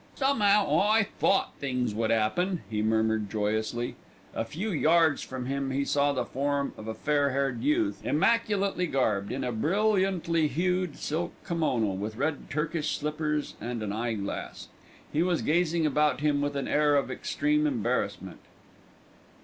"Some'ow I thought things would 'appen," he murmured joyously. A few yards from him he saw the form of a fair haired youth, immaculately garbed in a brilliantly hued silk kimono, with red Turkish slippers and an eye glass. He was gazing about him with an air of extreme embarrassment.